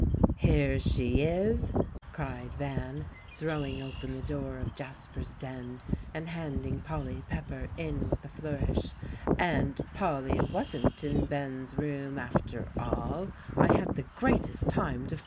"Here she is!" cried Van, throwing open the door of Jasper's den, and handing Polly Pepper in with a flourish; "and Polly wasn't in Ben's room after all; I had the greatest time to find her."